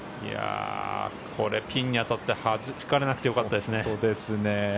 これピンに当たってはじかれなくてよかったですね。